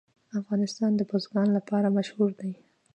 افغانستان د بزګان لپاره مشهور دی.